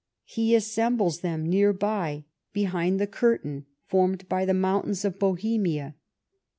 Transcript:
He assembles them, near by, behind the curtain formed by the mountains of Bohemia.